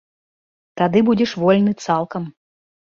Тады будзеш вольны цалкам!